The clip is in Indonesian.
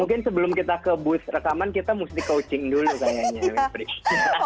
mungkin sebelum kita ke booth rekaman kita mesti coaching dulu kayaknya